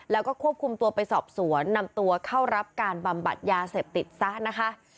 แล้วก็ควบคุมตัวไปสอบสวนนำตัวเข้ารับการบำบัดยาเสพติดซะนะคะ